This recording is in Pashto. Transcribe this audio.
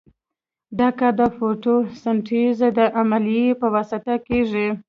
دا کار د فوتو سنتیز د عملیې په واسطه کیږي.